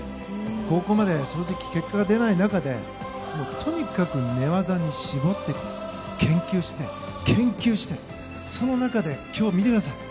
ここまで正直、結果が出ない中でとにかく寝技に絞って研究して、研究してその中で、見てください。